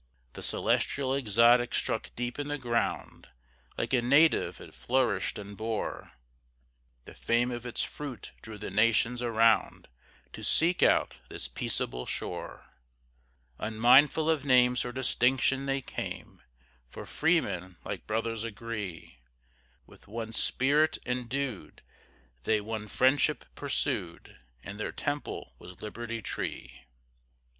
The celestial exotic struck deep in the ground, Like a native it flourished and bore; The fame of its fruit drew the nations around, To seek out this peaceable shore. Unmindful of names or distinction they came, For freemen like brothers agree; With one spirit endued, they one friendship pursued, And their temple was Liberty Tree.